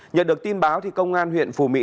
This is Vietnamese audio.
nhận được tin báo thì công an huyện phù mỹ